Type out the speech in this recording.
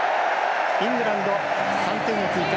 イングランド、３点を追加。